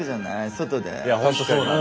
外で。